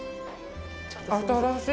新しい！